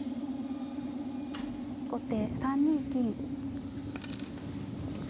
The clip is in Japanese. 後手３二金。